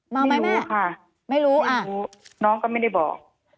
เมาไหมแม่ไม่รู้ค่ะน้องก็ไม่ได้บอกอ่าไม่รู้ค่ะ